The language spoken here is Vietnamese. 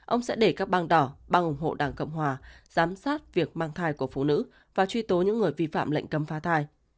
ông sẽ để các bang đỏ bang ủng hộ đảng cộng hòa giám sát việc mang thai của phụ nữ và truy tố những người vi phạm lệnh cấm phá thai